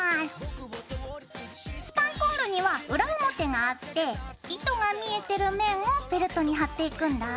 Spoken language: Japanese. スパンコールには裏表があって糸が見えてる面をフェルトに貼っていくんだ。